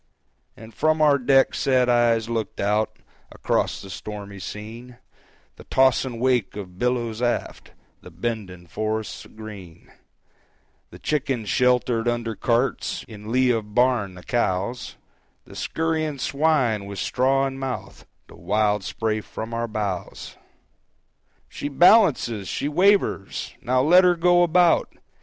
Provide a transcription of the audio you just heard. And from our deck sad eyes looked out Across the stormy scene: The tossing wake of billows aft, The bending forests green, The chickens sheltered under carts In lee of barn the cows, The skurrying swine with straw in mouth, The wild spray from our bows! "She balances! She wavers! Now let her go about!